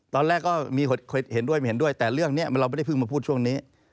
ตอนแรกก็มีเห็นด้วยไม่เห็นด้วยแต่เรื่องนี้เราไม่ได้เพิ่งมาพูดช่วงนี้